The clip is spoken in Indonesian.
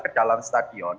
ke dalam stadion